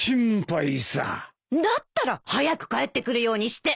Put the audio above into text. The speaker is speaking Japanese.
だったら早く帰ってくるようにして。